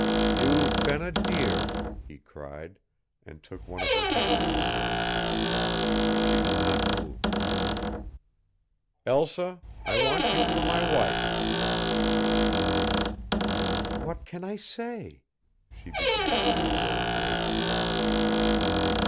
"You've been a dear!" he cried, and took one of her hands in his. She did not move. "Elsa, I want you for my wife!" "What can I say?" she began in a low voice.